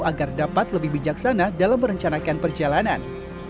agar dapat lebih bijaksana dalam merencanakan perjalanan